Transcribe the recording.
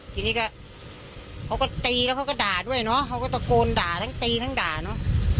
ทีนี้ก็เขาก็ตีแล้วเขาก็ด่าด้วยเนอะเขาก็ตะโกนด่าทั้งตีทั้งด่าเนอะ